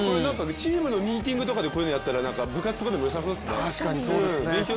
チームのミーティングとかでこういうのやったら部活でも良さそうですね。